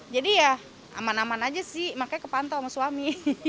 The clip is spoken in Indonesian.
jadi ya aman aman aja sih makanya kepantau sama suami